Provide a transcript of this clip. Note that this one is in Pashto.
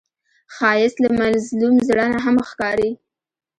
ښایست له مظلوم زړه نه هم ښکاري